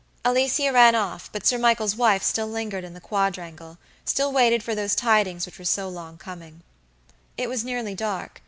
Alicia ran off, but Sir Michael's wife still lingered in the quadrangle, still waited for those tidings which were so long coming. It was nearly dark.